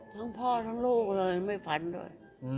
ทั้งพ่อทั้งลูกเลยไม่ฝันด้วย